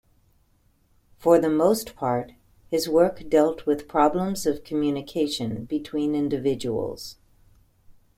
For the most part, his work dealt with problems of communication between individuals.